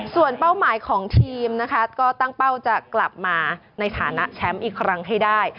ส่วนเป้าหมายของทีมนะคะก็ตั้งเป้าจะกลับมาในฐานะแชมป์อีกครั้งให้ได้